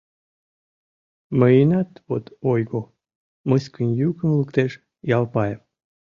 — Мыйынат вот ойго... — мыскынь йӱкым луктеш Ялпаев.